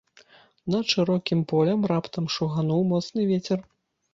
Над шырокім полем раптам шугануў моцны вецер.